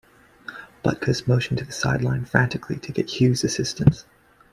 Butkus motioned to the sideline frantically to get Hughes assistance.